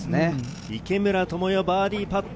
池村寛世、バーディーパット。